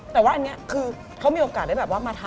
แต่ว่าอันนี้คือเขามีโอกาสได้แบบว่ามาทำ